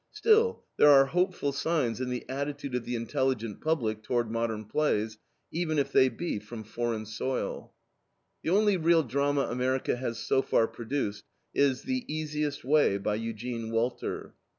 Still, there are hopeful signs in the attitude of the intelligent public toward modern plays, even if they be from foreign soil. The only real drama America has so far produced is THE EASIEST WAY, by Eugene Walter.